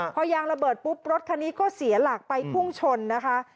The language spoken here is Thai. พอยางระเบิดปุ๊บรถคันนี้ก็เสียหลักไปพุ่งชนนะคะ